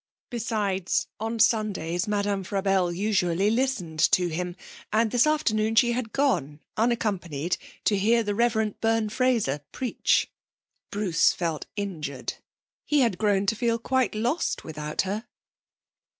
Besides, on Sundays Madame Frabelle usually listened to him; and this afternoon she had gone, unaccompanied, to hear the Rev. Byrne Fraser preach. Bruce felt injured. He had grown to feel quite lost without her.